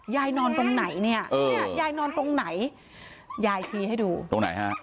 ยายนอนตรงไหนเนี่ยยายนอนตรงไหนยายชี้ให้ดูตรงไหนฮะ